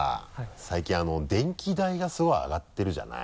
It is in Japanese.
最近電気代がすごい上がってるじゃない。